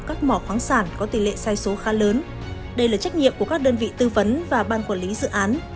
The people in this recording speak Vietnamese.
các mỏ khoáng sản có tỷ lệ sai số khá lớn đây là trách nhiệm của các đơn vị tư vấn và ban quản lý dự án